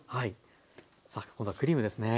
さあ今度はクリームですね。